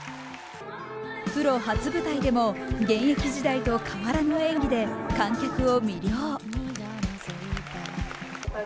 プロ初舞台でも現役時代と変わらぬ演技で観客を魅了。